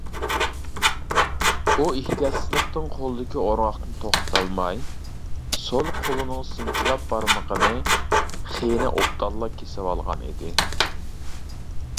ئۇ ئېھتىياتسىزلىقتىن قولىدىكى ئورغاقنى توختىتالماي، سول قولىنىڭ سىنچىلاپ بارمىقىنى خېنە ئوبدانلا كېسىۋالغان ئىدى.